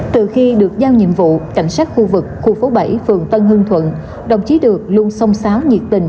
từ khi được giao nhiệm vụ cảnh sát khu vực khu phố bảy phường tân hương thuận đồng chí được luôn sông sáo nhiệt tình